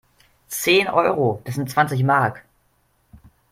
Zehn Euro? Das sind zwanzig Mark!